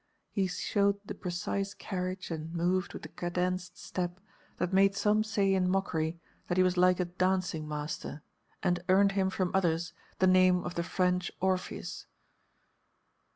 He showed the precise carriage and moved with the cadenced step that made some say in mockery that he was like a dancing master and earned him from others the name of the "French Orpheus."